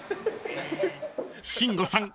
［慎吾さん